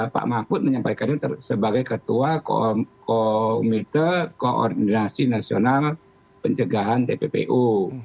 pak mahfud menyampaikan itu sebagai ketua komite koordinasi nasional pencegahan tppu